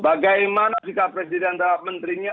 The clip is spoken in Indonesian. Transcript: bagaimana sikap presiden terhadap menterinya